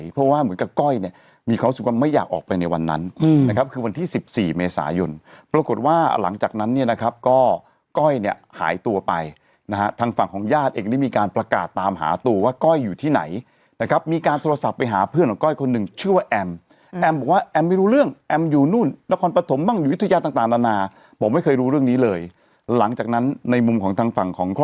ปรากฏว่าหลังจากนั้นเนี่ยนะครับก็ก้อยเนี่ยหายตัวไปนะฮะทางฝั่งของญาติเอกนี่มีการประกาศตามหาตัวว่าก้อยอยู่ที่ไหนนะครับมีการโทรศัพท์ไปหาเพื่อนของก้อยคนหนึ่งชื่อว่าแอมแอมบอกว่าแอมไม่รู้เรื่องแอมอยู่นู่นนครปฐมบ้างอยู่วิทยาตร์ต่างต่างผมไม่เคยรู้เรื่องนี้เลยหลังจากนั้นในมุมของทางฝั่งของคร